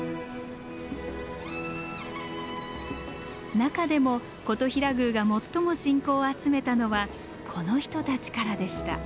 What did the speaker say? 中でも金刀比羅宮が最も信仰を集めたのはこの人たちからでした。